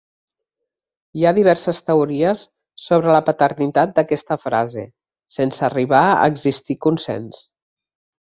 Hi ha diverses teories sobre la paternitat d'aquesta frase, sense arribar a existir consens.